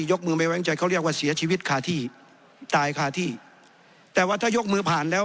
ยกมือไม่แว้งใจเขาเรียกว่าเสียชีวิตคาที่ตายคาที่แต่ว่าถ้ายกมือผ่านแล้ว